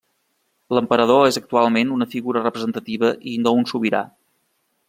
L'emperador és actualment una figura representativa i no un sobirà.